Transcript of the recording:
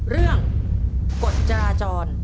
เรื่องกฎจราจร